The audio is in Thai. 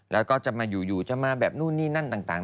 แล้วก็จะมาอยู่จะมาแบบนู่นนี่นั่นต่าง